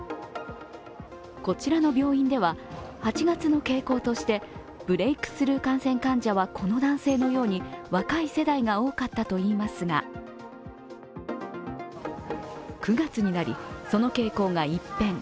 こちらの病院では８月の傾向としてブレークスルー感染患者はこの男性のように若い世代が多かったといいますが９月になり、その傾向が一変。